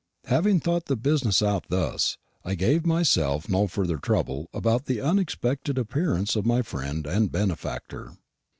Having thought the business out thus, I gave myself no further trouble about the unexpected appearance of my friend and benefactor.